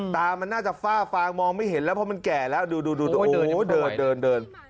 ตามันน่าจะฟ้าฟ้างมองไม่เห็นตรงนี้